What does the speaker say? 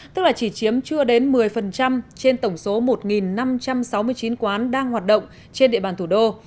tức là chỉ chiếm chưa đến một mươi trên tổng số một năm trăm sáu mươi chín quán đang hoạt động trên địa bàn thủ đô